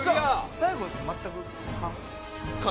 最後全く勘？